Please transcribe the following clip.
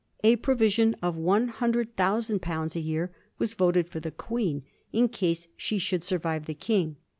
A provision of one hundred thousand pounds a year was voted for the Queen, in case she should survive the King.